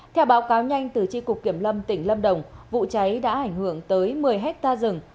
theo báo cáo nhanh từ tri cục kiểm lâm tỉnh lâm đồng vụ cháy đã ảnh hưởng tới một mươi hectare rừng